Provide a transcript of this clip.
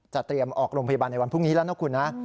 เตรียมออกโรงพยาบาลในวันพรุ่งนี้แล้วนะคุณนะ